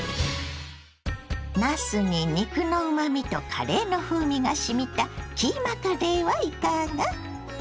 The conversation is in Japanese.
なすに肉のうまみとカレーの風味がしみたキーマカレーはいかが。